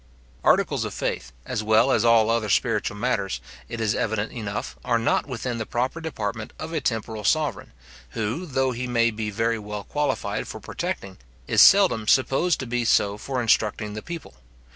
Articles of faith, as well as all other spiritual matters, it is evident enough, are not within the proper department of a temporal sovereign, who, though he may be very well qualified for protecting, is seldom supposed to be so for instructing the people.